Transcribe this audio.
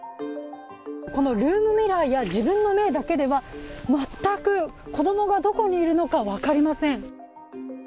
ルームミラーや自分の目だけでは全く子供がどこにいるのか分かりません。